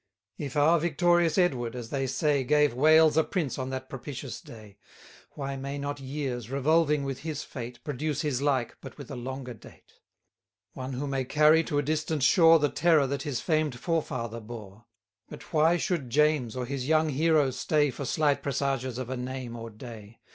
If our victorious Edward, as they say, Gave Wales a prince on that propitious day, Why may not years, revolving with his fate, Produce his like, but with a longer date; One, who may carry to a distant shore The terror that his famed forefather bore? 140 But why should James or his young hero stay For slight presages of a name or day?